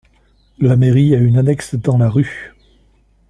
La Mairie a une annexe dans la rue.